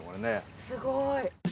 すごい。